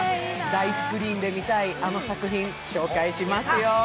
大スクリーンで見たいあの作品紹介しますよ。